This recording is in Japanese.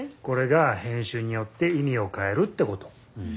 これが編集によって意味をかえるってこと。